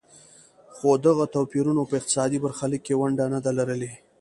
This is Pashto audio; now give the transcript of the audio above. خو دغو توپیرونو په اقتصادي برخلیک کې ونډه نه ده لرلې.